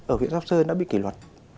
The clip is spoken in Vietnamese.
ở huyện sóc sơn đã bị kỷ luật